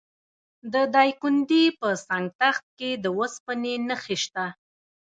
د دایکنډي په سنګ تخت کې د وسپنې نښې شته.